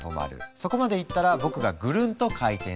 そこまでいったら僕がぐるんと回転する。